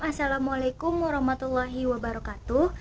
assalamualaikum warahmatullahi wabarakatuh